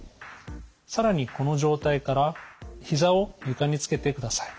更にこの状態からひざを床につけてください。